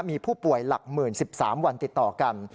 มีผู้ป่วยหลักหมื่น๑๓วันติดต่อกัน